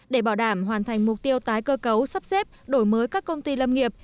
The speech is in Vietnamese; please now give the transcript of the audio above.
để bảo đảm hoàn thành mục tiêu tái cơ cấu sắp xếp đổi mới các công ty lâm nghiệp